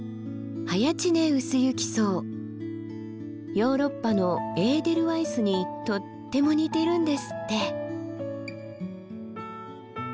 ヨーロッパのエーデルワイスにとっても似ているんですって。